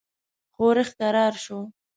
ښورښ کرار شو.